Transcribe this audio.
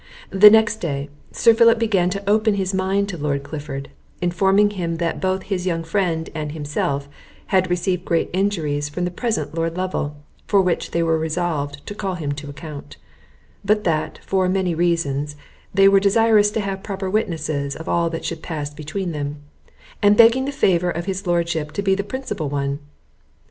The next day Sir Philip began to open his mind to Lord Clifford, informing him that both his young friend and himself had received great injuries from the present Lord Lovel, for which they were resolved to call him to account; but that, for many reasons, they were desirous to have proper witnesses of all that should pass between them, and begging the favour of his Lordship to be the principal one.